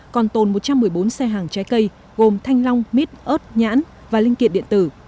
còn tồn một trăm một mươi bốn xe hàng trái cây gồm thanh long mít ớt nhãn và linh kiện điện tử